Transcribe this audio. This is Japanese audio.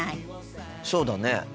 そうだね。